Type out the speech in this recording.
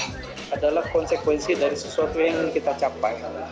bahwa membaca itu adalah konsekuensi dari sesuatu yang ingin kita capai